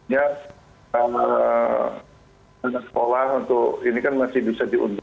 ya sekolah untuk ini kan masih bisa diundur